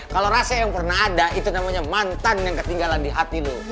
kalau rasa yang pernah ada itu namanya mantan yang ketinggalan di hati lu